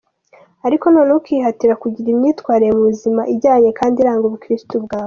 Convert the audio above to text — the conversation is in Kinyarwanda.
Ariko noneho ukihatira kugira imyitwarire mu buzima ijyanye kandi iranga ubukristu bwawe.